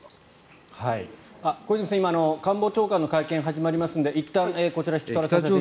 小泉さん、今官房長官の会見が始まりますのでいったん、こちら引き取らせていただきます。